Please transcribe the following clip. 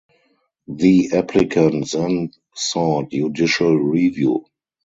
The applicant then sought judicial review.